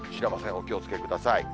お気をつけください。